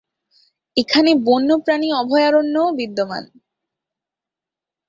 এখানে বন্যপ্রাণী অভয়ারণ্য-ও বিদ্যমান।